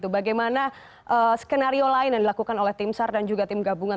bagaimana skenario lain yang dilakukan oleh tim sar dan juga tim gabungan